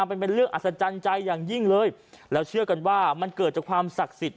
มันเป็นเรื่องอัศจรรย์ใจอย่างยิ่งเลยแล้วเชื่อกันว่ามันเกิดจากความศักดิ์สิทธิ